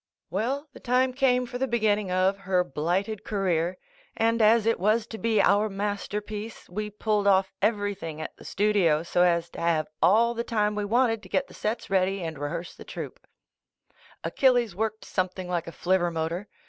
Well, the time came for the beginning of "Her Blighted Career," and as it was to be our masterpiece, we pulled off every thing at the studio so as to have all the time we wanted to get the sets ready and '•ehearse the troupe. Achilles worked something like a flivver motor.